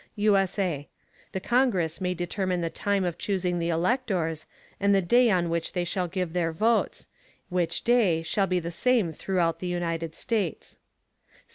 [USA] The Congress may determine the Time of chusing the Electors, and the Day on which they shall give their Votes; which Day shall be the same throughout the United States.